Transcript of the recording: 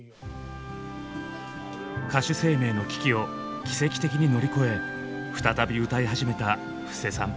歌手生命の危機を奇跡的に乗り越え再び歌い始めた布施さん。